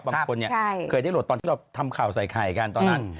บางคนเนี่ยเคยได้โหลดตอนที่เราทำข่าวใส่ไข่กันตอนนั้น